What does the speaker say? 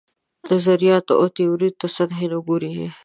نظریاتو او تیوریو ته سطحي نه ګوري.